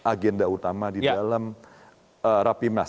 agenda utama di dalam rapimnas